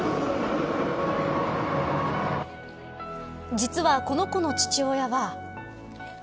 実は、この子の父親は。